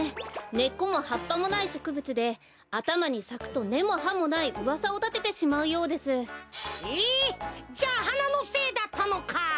根っこも葉っぱもないしょくぶつであたまにさくと根も葉もないうわさをたててしまうようです。え！じゃあはなのせいだったのか。